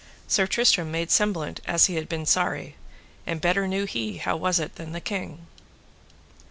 Sir Tristram made semblant as he had been sorry, and better knew he how it was than the king.